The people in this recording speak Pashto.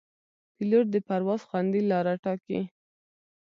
پیلوټ د پرواز خوندي لاره ټاکي.